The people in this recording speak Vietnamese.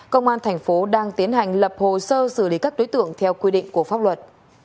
công an thành phố đang tiến hành lập hồ sơ xử lý các đối tượng theo quy định của pháp luật